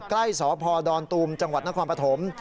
ใกล้สพดอนตูมจนความปะทม